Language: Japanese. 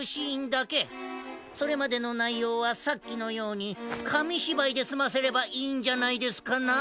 それまでのないようはさっきのようにかみしばいですませればいいんじゃないですかな？